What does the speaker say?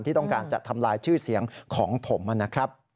ที่ต้องการจะทำลายชื่อเสียงของผมนะครับ